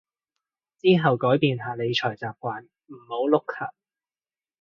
之後改變下理財習慣唔好碌卡